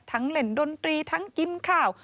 เล่นดนตรีทั้งกินข้าว